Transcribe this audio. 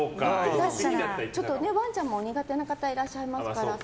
ちょっとワンちゃんも苦手な方いらっしゃいますから。